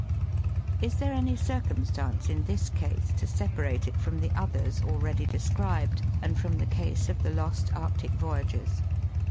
Is there any circumstance in this case to separate it from the others already described, and from the case of the lost Arctic voyagers